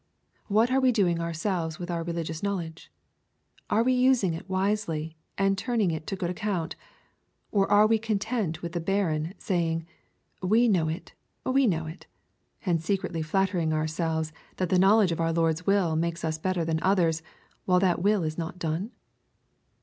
What are we doing ourselves with our religious knowl edge ? Are we using it wisely, and turning it to good account ? Or are we content with the barren saying, " We know it, — we know it,'' and secretly flattering our selves that the knowledge of our Lord's will makes us better than others, while that will is not done